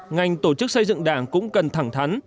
ngành tổ chức xây dựng đảng cũng cần thẳng thắn